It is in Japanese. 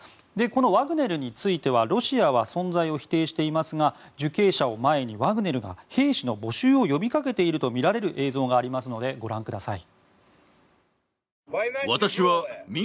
このワグネルについてはロシアは存在を否定していますが受刑者を前にワグネルが兵士の募集を呼びかけているとみられる映像がありますのでご覧ください。